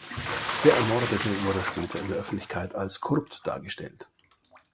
Der Ermordete wurde später in der Öffentlichkeit als korrupt dargestellt.